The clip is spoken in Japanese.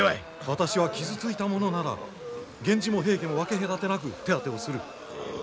私は傷ついた者なら源氏も平家も分け隔てなく手当てをする。